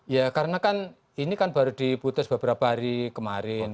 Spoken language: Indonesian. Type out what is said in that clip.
ya karena kan ini kan baru diputus beberapa hari kemarin